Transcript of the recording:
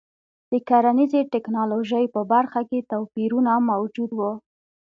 د کرنیزې ټکنالوژۍ په برخه کې توپیرونه موجود وو.